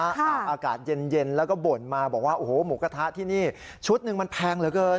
ตากอากาศเย็นแล้วก็บ่นมาบอกว่าโอ้โหหมูกระทะที่นี่ชุดหนึ่งมันแพงเหลือเกิน